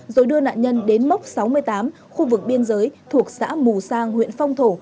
rồi đưa nạn nhân đến mốc sáu mươi tám khu vực biên giới thuộc xã mù sang huyện phong thổ